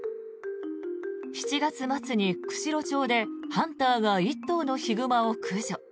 ７月末に釧路町でハンターが１頭のヒグマを駆除。